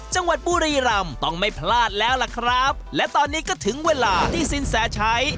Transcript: จังหวัดบุรีรำต้องไม่พลาดแล้วล่ะครับและตอนนี้ก็ถึงเวลาที่สินแสชัย